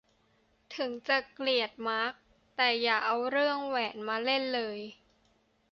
ถึงจะเกลียดมาร์ค แต่อย่าเอาเรื่องแหวนมาเล่นเลย